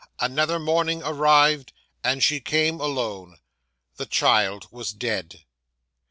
Another morning arrived, and she came alone. The child was dead.